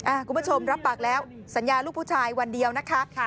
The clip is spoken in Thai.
คุณผู้ชมรับปากแล้วสัญญาลูกผู้ชายวันเดียวนะคะ